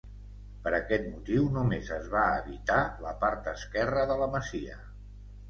Per aquest motiu només es va habitar la part esquerra de la masia.